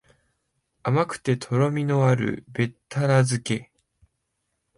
甘くてとろみのあるべったら漬け